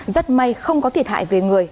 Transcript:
rất may không có thiệt hại về người